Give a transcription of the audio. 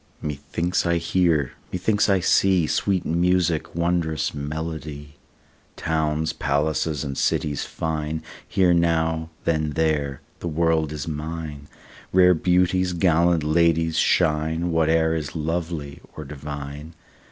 Methinks I hear, methinks I see, Sweet music, wondrous melody, Towns, palaces, and cities fine; Here now, then there; the world is mine, Rare beauties, gallant ladies shine, Whate'er is lovely or divine.